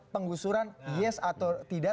penggusuran yes atau tidak